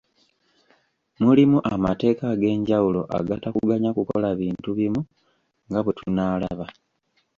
Mulimu amateeka ag'enjawulo agatakuganya kukola bintu bimu nga bwe tunaalaba.